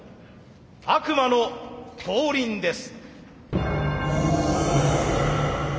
悪魔の降臨です。